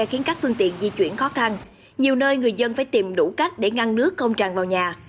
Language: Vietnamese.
khiến các phương tiện di chuyển khó khăn nhiều nơi người dân phải tìm đủ cách để ngăn nước không tràn vào nhà